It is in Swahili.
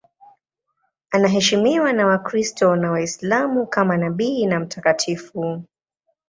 Anaheshimiwa na Wakristo na Waislamu kama nabii na mtakatifu.